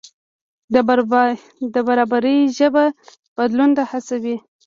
د برابرۍ ژبه بدلون ته هڅوي.